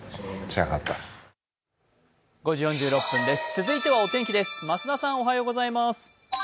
続いてはお天気です。